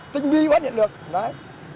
tinh vi phát hiện được đấy